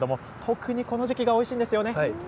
この時期がおいしいんですよね。